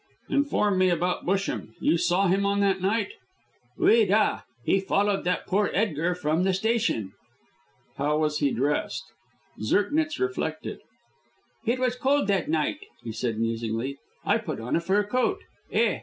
"Inform me about Busham. You saw him on that night?" "Oui da! He followed that poor Edgar from the station." "How was he dressed?" Zirknitz reflected. "It was cold that night," said he, musingly. "I put on a fur coat. Eh!